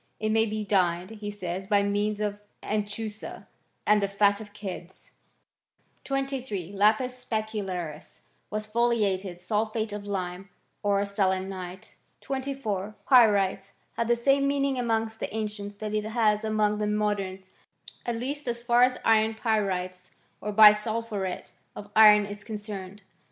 It may be dyed, he says, by means of anchusa and the fat of kids, 23. Lapis specularis was foliated sulphate of lime, or selenite. 24. Pyrites had the same meaning among the an cients that it has among the moderns ; at least as far as iron pyrites or bisulphuret of iron is concerned.